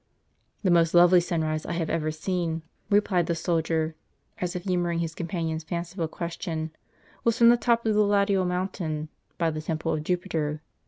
" "The most lovely sunrise I have ever seen," replied the soldier, as if humoring his companion's fanciful question, "was from the top of the Latial mountain, t by the temple of Jupiter.